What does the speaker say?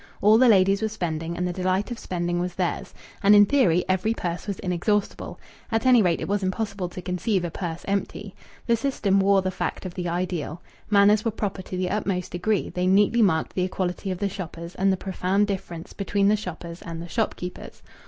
All the ladies were spending, and the delight of spending was theirs. And in theory every purse was inexhaustible. At any rate, it was impossible to conceive a purse empty. The system wore the face of the ideal. Manners were proper to the utmost degree; they neatly marked the equality of the shoppers and the profound difference between the shoppers and the shopkeepers.